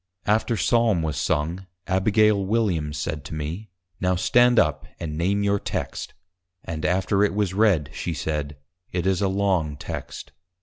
After Psalm was sung Abigail Williams said to me, Now stand up, and name your Text! And after it was read, she said, _It is a long Text.